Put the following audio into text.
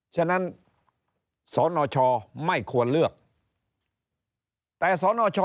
ฉะนั้นสนชไม่ควรเลือกแต่สนช